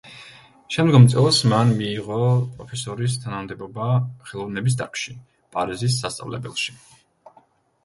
შემდგომ წელს მან მიიღო პროფესორის თანამდებობა ხელოვნების დარგში, პარიზის სასწავლებელში.